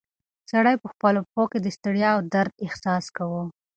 سړی په خپلو پښو کې د ستړیا او درد احساس کاوه.